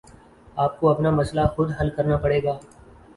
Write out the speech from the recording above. آپ کو اپنا مسئلہ خود حل کرنا پڑے گا